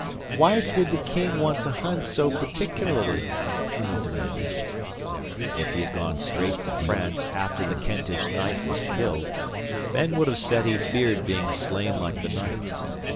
'Why did the King want to hunt so particularly?' Una demanded. 'If he had gone straight to France after the Kentish knight was killed, men would have said he feared being slain like the knight.